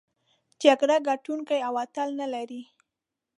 جګړه ګټوونکی او اتل نلري.